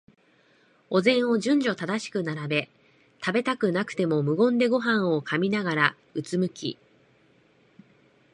お膳を順序正しく並べ、食べたくなくても無言でごはんを噛みながら、うつむき、